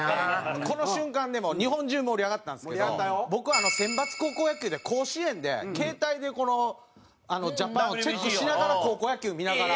この瞬間ね日本中盛り上がったんですけど僕選抜高校野球で甲子園で携帯でジャパンをチェックしながら高校野球見ながら。